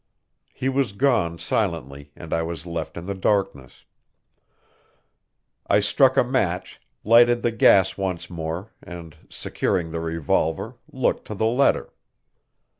He was gone silently, and I was left in the darkness. I struck a match, lighted the gas once more, and, securing the revolver, looked to the letter.